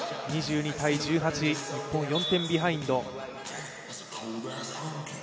２２−１８、日本、４点ビハインド。